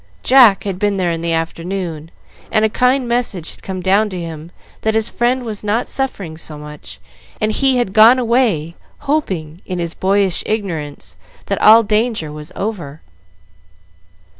Jack had been there in the afternoon, and a kind message had come down to him that his friend was not suffering so much, and he had gone away, hoping, in his boyish ignorance, that all danger was over.